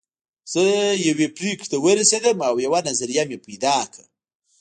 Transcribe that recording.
زه يوې پرېکړې ته ورسېدم او يوه نظريه مې پيدا کړه.